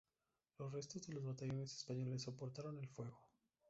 Los restos de los batallones españoles soportaron el fuego.